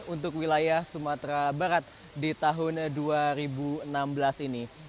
untuk wilayah sumatera barat di tahun dua ribu enam belas ini